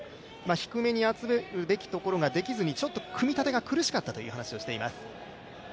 低めに集めるべきところができずに、ちょっと組み立てが苦しかったという話をしています。